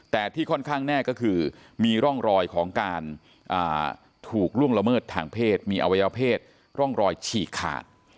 แต่ที่ค่อนข้างแน่ก็คือมีร่องรอยของการถูกล่วงละเมิดทางเพศมีอวัยวเพศร่องรอยฉีกขาด